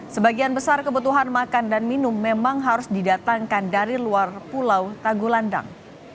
sebagian besar kebutuhan makan dan minum memang harus didatangkan dari luar pulau tagulandang